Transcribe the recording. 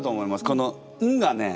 この「ン」がね